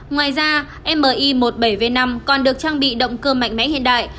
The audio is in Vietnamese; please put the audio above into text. ngoài ra mi một mươi bảy v năm còn được trang bị động cơ mạnh mẽ hiện đại